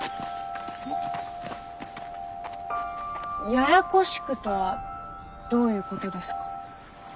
ややこしくとはどういうことですか？